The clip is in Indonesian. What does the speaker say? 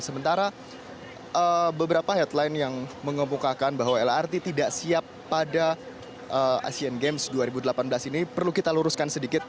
sementara beberapa headline yang mengemukakan bahwa lrt tidak siap pada asian games dua ribu delapan belas ini perlu kita luruskan sedikit